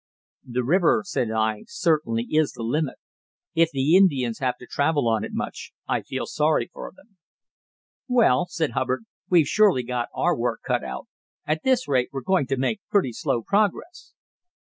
"The river," said I, "certainly is the limit. If the Indians have to travel on it much, I feel sorry for them." "Well," said Hubbard, "we've surely got our work cut out. At this rate we're going to make pretty slow progress."